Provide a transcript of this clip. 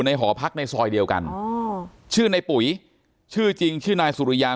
หอพักในซอยเดียวกันชื่อในปุ๋ยชื่อจริงชื่อนายสุริยา